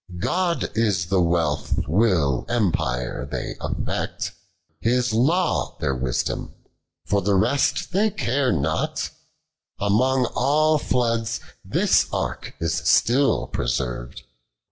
277 God is the wealth, will, empire, they affect ;* His law, their wisdom ; for the rest thoy can? not ; Amcmg all floods this ark is still presen 'd.